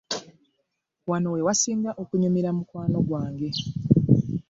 Wano wewasinga okunyumira mukwano gwange.